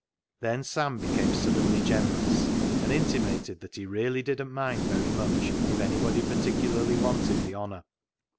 Then Sam became suddenly generous, and intimated that he really didn't mind very much if anybody particularly wanted the honour.